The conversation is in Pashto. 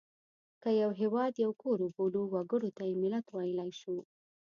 که یو هېواد یو کور وبولو وګړو ته یې ملت ویلای شو.